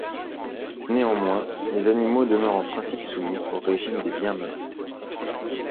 Néanmoins, les animaux demeurent en principe soumis au régime des biens meubles.